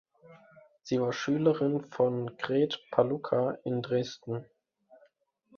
Sie war Schülererin von Gret Palucca in Dresden.